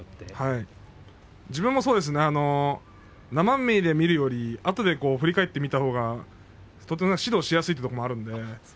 自分もそうですが生身で見るよりも振り返って見たほうが指導をしやすいということもありますのでね